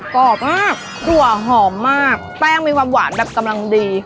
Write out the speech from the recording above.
กรอบมากถั่วหอมมากแป้งมีความหวานแบบกำลังดี